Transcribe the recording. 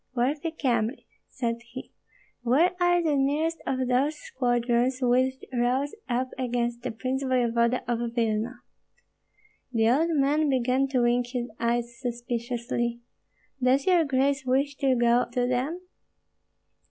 "Worthy Kyemlich," said he, "where are the nearest of those squadrons which rose up against the prince voevoda of Vilna?" The old man began to wink his eyes suspiciously. "Does your grace wish to go to them?"